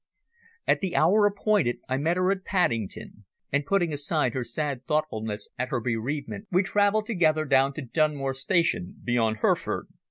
At the hour appointed I met her at Paddington, and putting aside her sad thoughtfulness at her bereavement we travelled together down to Dunmore Station, beyond Hereford.